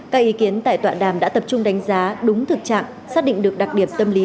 các ý kiến tại tọa đàm đã tập trung đánh giá đúng thực trạng xác định được đặc điểm tâm lý